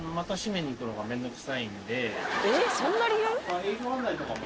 えっそんな理由？